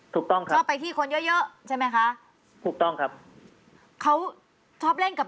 ถูกต้องครับ